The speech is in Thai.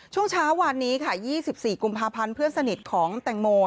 ช่วงเช้าวันนี้ค่ะ๒๔กุมภาพันธ์เพื่อนสนิทของแตงโม